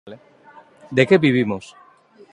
De que vivimos?